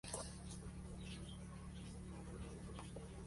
Está casada con Eric Trump, uno de los hijos de Donald Trump.